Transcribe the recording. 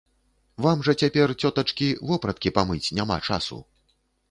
Вам жа цяпер, цётачкі, вопраткі памыць няма часу.